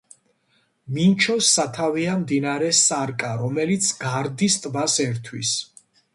მინჩოს სათავეა მდინარე სარკა, რომელიც გარდის ტბას ერთვის.